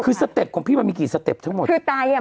คือสเต็ปของพี่มันมีกี่สเต็ปทั้งหมด